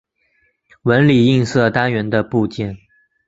纹理映射单元的部件。